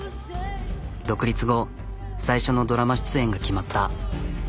独立後最初のドラマ出演が決まった。